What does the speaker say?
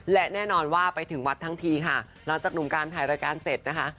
และแน่นอนว่าไปถึงวัดทั้งทีค่ะหลังจากหนุ่มการถ่ายรายการเสร็จนะคะ